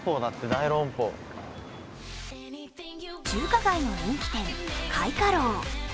中華街の人気店、開華楼。